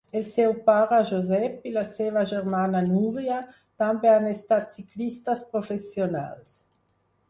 El seu pare Josep i la seva germana Núria, també han estat ciclistes professionals.